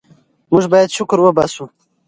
موږ باید شکر وباسو.